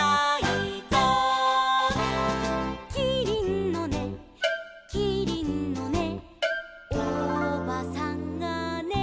「キリンのねキリンのねおばさんがね」